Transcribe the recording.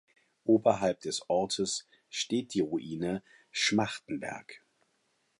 Oberhalb des Ortes steht die Ruine Schmachtenberg.